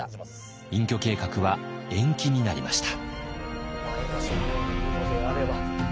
隠居計画は延期になりました。